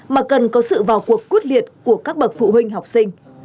mà cần có sự vào cuộc quyết liệt của các bậc phụ huynh học sinh